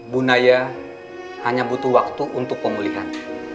bu naya hanya butuh waktu untuk pemulihan